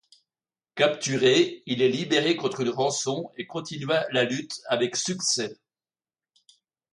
Capturé, il est libéré contre une rançon et continua la lutte avec succès.